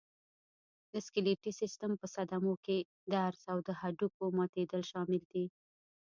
د سکلېټي سیستم په صدمو کې درز او د هډوکو ماتېدل شامل دي.